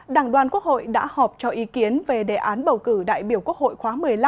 đảng đoàn quốc hội đã họp cho ý kiến về đề án bầu cử đại biểu quốc hội khóa một mươi năm